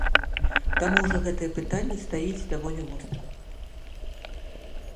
Там ужо гэтае пытанне стаіць даволі востра.